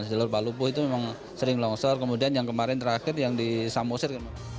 jalur palupuh itu memang sering longsor kemudian yang kemarin terakhir yang di samosir